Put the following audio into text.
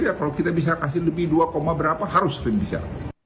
ya kalau kita bisa kasih lebih dua berapa harus lebih bisa